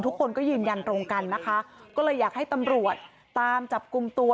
ทุกคนก็ยืนยันตรงกันนะคะก็เลยอยากให้ตำรวจตามจับกลุ่มตัว